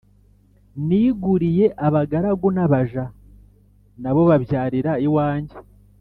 niguriye abagaragu nabaja nabo babyarira iwanjye